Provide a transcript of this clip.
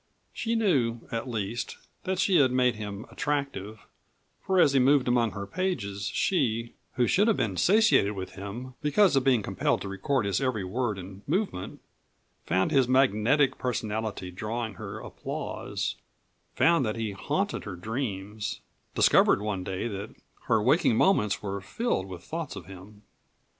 She knew, at least, that she had made him attractive, for as he moved among her pages, she who should have been satiated with him because of being compelled to record his every word and movement found his magnetic personality drawing her applause, found that he haunted her dreams, discovered one day that her waking moments were filled with thoughts of him.